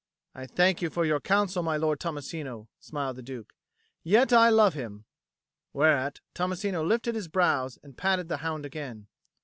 "I thank you for your counsel, my lord Tommasino," smiled the Duke. "Yet I love him." Whereat Tommasino lifted his brows and patted the hound again.